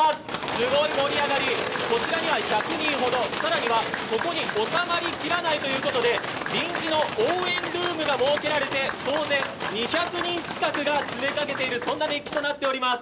すごい盛り上がり、こちらには１００人ほど更にはここに収まりきらないということで、臨時の応援ルームが設けられて総勢２００人近くが詰めかけているそんな熱気となっています。